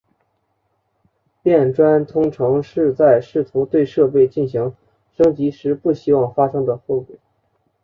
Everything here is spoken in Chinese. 变砖通常是在试图对设备进行升级时不希望发生的后果。